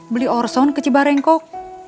beli orson kecibareng kok